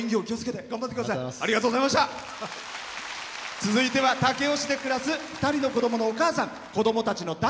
続いては武雄市で暮らす２人の子どものお母さん。